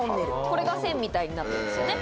これが線みたいになってるんですよね。